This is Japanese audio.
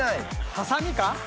「ハサミか？」